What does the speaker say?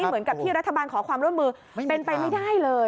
เหมือนกับที่รัฐบาลขอความร่วมมือเป็นไปไม่ได้เลย